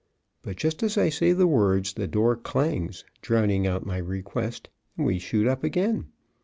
But just as I say the words the door clangs, drowning out my request, and we shoot up again.